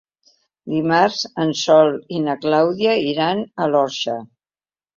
Dimarts en Sol i na Clàudia iran a l'Orxa.